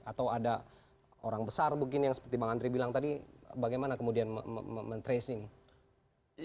atau ada orang besar mungkin yang seperti bang andri bilang tadi bagaimana kemudian men trace ini